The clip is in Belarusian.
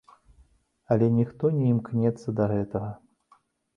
Але ніхто не імкнецца да гэтага!